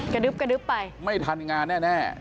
กระดึบกระดึบไปไม่ทันงานแน่